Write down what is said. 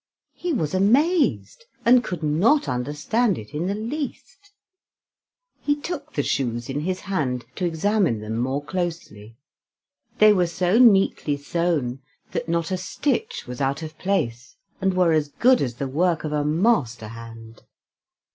He was amazed, and could not understand it in the least. He took the shoes in his hand to examine them more closely. They were so neatly sewn that not a stitch was out of place, and were as good as the work of a master hand.